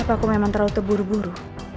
apakah aku memang terlalu tebur buru